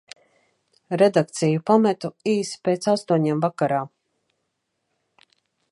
Redakciju pametu īsi pēc astoņiem vakarā.